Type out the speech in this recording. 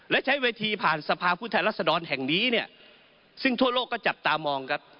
และใช้เวทีผ่านสภาพผู้แทนรัศดรแห่งนี้เนี่ยซึ่งทั่วโลกก็จับตามองครับ